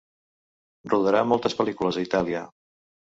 Rodarà moltes pel·lícules a Itàlia.